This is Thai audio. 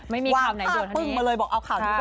วางภาพมาเลยบอกเอาข่าวที่ส่วน